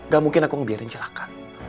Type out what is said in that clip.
gak mungkin aku ngebiarin celaka